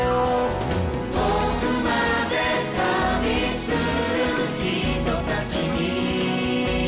「遠くまで旅する人たちに」